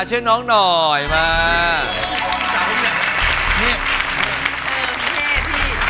ผู้หญิงที่ช่วงที่อาจที่ในร่วมทางเอก